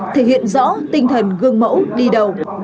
thể hiện rõ tinh thần gương mẫu đi đầu